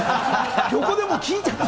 横でもう聞いちゃって。